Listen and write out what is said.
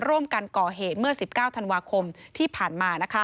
ร่วมกันก่อเหตุเมื่อ๑๙ธันวาคมที่ผ่านมา